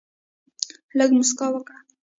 لږ مسکا وکړه.